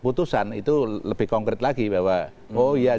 putusan itu lebih konkret lagi bahwa oh iya